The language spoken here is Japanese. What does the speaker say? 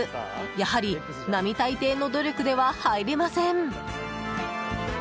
やはり並大抵の努力では入れません。